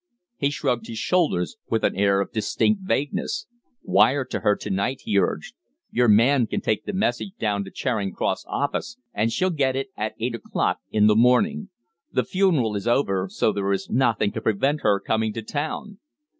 He shrugged his shoulders with an air of distinct vagueness. "Wire to her to night," he urged. "Your man can take the message down to the Charing Cross office, and she'll get it at eight o'clock in the morning. The funeral is over, so there is nothing to prevent her coming to town."